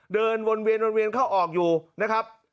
เดินวนเวียนเข้าออกอยู่นะครับ